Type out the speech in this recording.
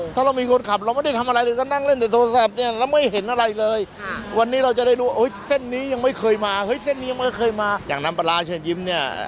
ถ้าเรามีคนขับเราไม่ได้ทำอะไรเลย